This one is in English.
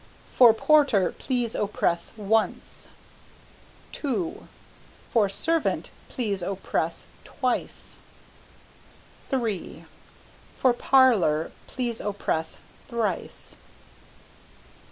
For Porter please oppress once. 2. For Servant please oppress twice. 3. For Parlour please oppress thrice.